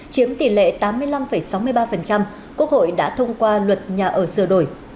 chiếm tỷ lệ tám mươi năm sáu mươi ba quốc hội đã thông qua luật nhà ở sửa đổi